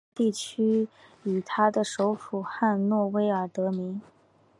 该地区以它的首府汉诺威而得名。